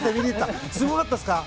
すごかったですか？